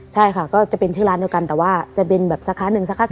ใช่ค่ะก็จะเป็นชื่อร้านเดียวกันแต่ว่าจะเป็นแบบสาขาหนึ่งสาขา